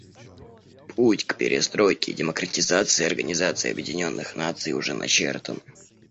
Путь к перестройке и демократизации Организации Объединенных Наций уже начертан.